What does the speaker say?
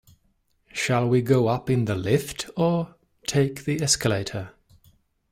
Shall we go up in the lift, or take the escalator?